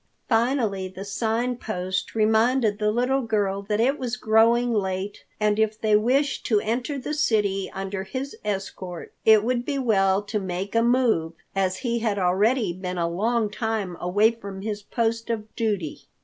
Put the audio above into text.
Finally the Sign Post reminded the little girl that it was growing late and if they wished to enter the city under his escort, it would be well to make a move, as he had already been a long time away from his post of duty.